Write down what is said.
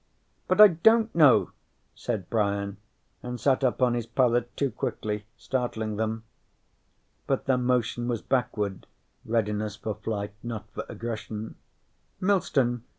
"But I don't know!" said Brian, and sat up on his pallet, too quickly, startling them. But their motion was backward, readiness for flight, not for aggression. "Millstone?